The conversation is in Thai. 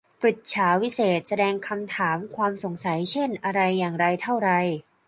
ปฤจฉาวิเศษณ์ แสดงคำถาม ความสงสัย เช่น อะไร อย่างไร เท่าไร